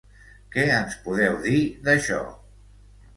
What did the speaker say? Què ens en podeu dir, d’això?